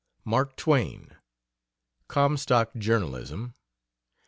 "MARK TWAIN." COMSTOCK JOURNALISM.